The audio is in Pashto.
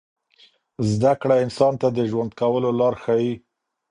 زده کړه انسان ته د ژوند کولو لار ښیي.